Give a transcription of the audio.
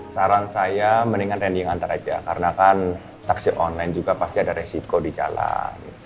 saran saya mendingan rending antar aja karena kan taksi online juga pasti ada resiko di jalan